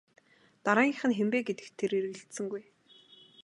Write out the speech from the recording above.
Дараагийнх нь хэн бэ гэдэгт тэр эргэлзсэнгүй.